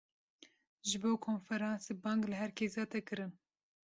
Ji bo konferansê, bang li herkesî hate kirin